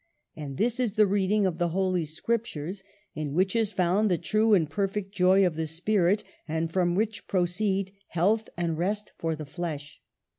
And this is the reading of the Holy Scriptures, in which is found the true and perfect joy of the spirit, and from which proceed health and rest for the flesh.